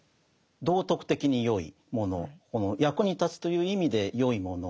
道徳的に善いもの役に立つという意味で善いもの